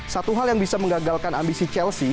satu hal yang bisa mengagalkan ambisi chelsea